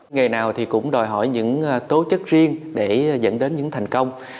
nghề nào thì cũng đòi hỏi những tố chất riêng để dẫn đến những thành công